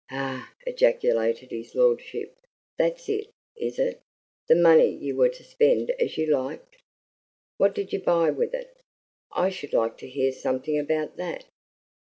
"Ha!" ejaculated his lordship. "That's it, is it? The money you were to spend as you liked. What did you buy with it? I should like to hear something about that."